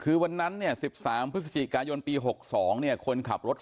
คือวันนั้นเนี้ยสิบสามพฤศจิกายนปีหกสองเนี้ยคนขับรถสอง